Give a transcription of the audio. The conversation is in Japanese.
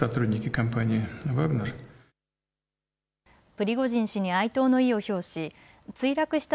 プリゴジン氏に哀悼の意を表し墜落した